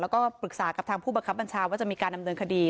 แล้วก็ปรึกษากับทางผู้บังคับบัญชาว่าจะมีการดำเนินคดี